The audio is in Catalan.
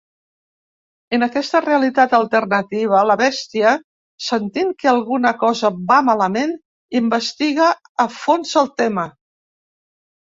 En aquesta realitat alternativa, la Bèstia, sentint que alguna cosa va malament, investiga a fons el tema.